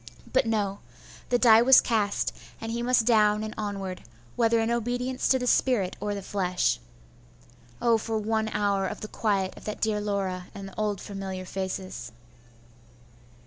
But no! the die was cast, and he must down and onward, whether in obedience to the spirit or the flesh. Oh, for one hour of the quiet of that dear Laura and the old familiar faces!